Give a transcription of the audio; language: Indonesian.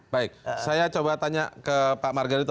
baik saya coba tanya ke pak margalito